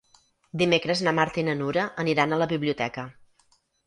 Dimecres na Marta i na Nura aniran a la biblioteca.